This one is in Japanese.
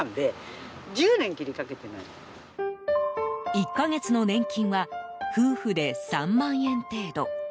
１か月の年金は夫婦で３万円程度。